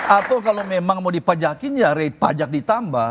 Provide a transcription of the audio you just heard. atau kalau memang mau dipajakin ya rate pajak ditambah